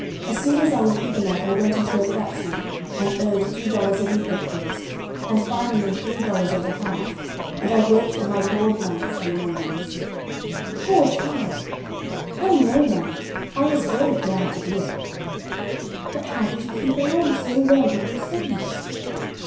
As soon as I was big enough I went into a factory, and earned two dollars a week at first, and finally three dollars and a half; and I worked for my board nights and mornings." "Poor child!" "Oh no, ma'am, I was very glad to do it." "But how did you keep along so well with your studies?"